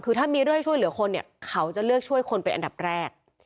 คือถ้ามีเรื่องให้ช่วยเหลือคนเนี่ยเขาจะเลือกช่วยคนเป็นอันดับแรก